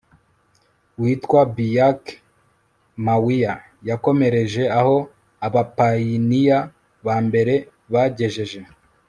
witwa biak mawia yakomereje aho abapayiniya ba mbere bagejeje